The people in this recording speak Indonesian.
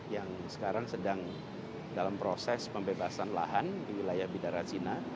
yang sekarang sedang dalam proses pembebasan lahan di wilayah bidara cina